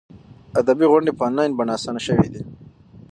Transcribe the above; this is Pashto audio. ادبي غونډې په انلاین بڼه اسانه شوي دي.